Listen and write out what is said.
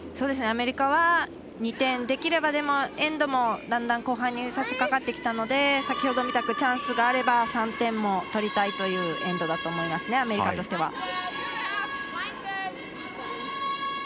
アメリカは２点、できればエンドもだんだん後半に差し掛かってきたので先ほどみたくチャンスがあれば３点もとりたいというエンドだと思います、アメリカとしては。